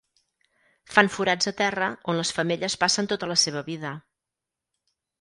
Fan forats a terra on les femelles passen tota la seva vida.